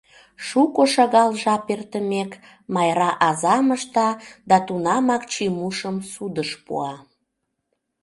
Шуко-шагал жап эртымек, Майра азам ышта да тунамак Чимушым судыш пуа.